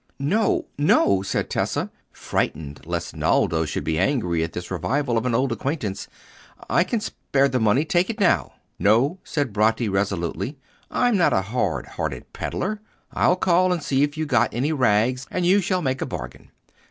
"No, no!" said Tessa, frightened lest Naldo should be angry at this revival of an old acquaintance. "I can spare the money. Take it now." "No," said Bratti, resolutely; "I'm not a hard hearted pedlar. I'll call and see if you've got any rags, and you shall make a bargain.